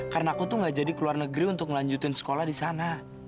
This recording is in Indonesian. karena aku tuh gak jadi keluar negeri untuk ngelanjutin sekolah disana